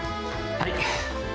はい。